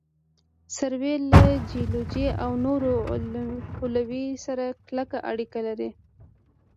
سروې له جیولوجي او نورو علومو سره کلکه اړیکه لري